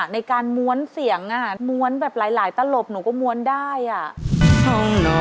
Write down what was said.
ในการม้วนเสียงอ่ะม้วนแบบหลายหลายตลบหนูก็ม้วนได้อ่ะ